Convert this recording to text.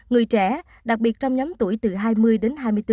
người trẻ đặc biệt trong nhóm tuổi từ hai mươi đến hai mươi bốn